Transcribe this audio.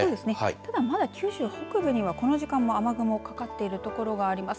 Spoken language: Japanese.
ただ、まだ九州北部にはこの時間も雨雲かかっているところがあります。